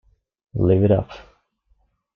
Live It Up!